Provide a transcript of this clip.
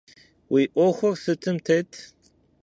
Vui 'uexur sıtım têt?